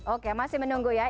oke masih menunggu ya